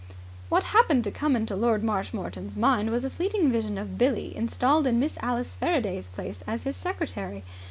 What happened to come into Lord Marshmoreton's mind was a fleeting vision of Billie installed in Miss Alice Faraday's place as his secretary.